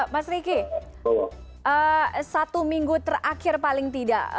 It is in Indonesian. mas riki satu minggu terakhir paling tidak